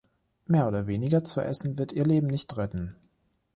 Mehr oder weniger zu essen wird Ihr Leben nicht retten.